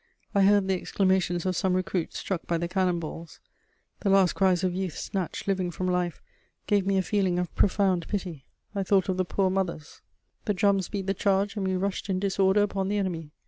I heard the exclamations of some recruits struck by the cannon balls; the last cries of youth snatched living from life gave me a feeling of profound pity: I thought of the poor mothers. The drums beat the charge, and we rushed in disorder upon the enemy.